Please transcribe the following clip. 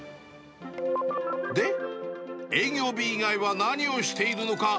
で、営業日以外は何をしているのか。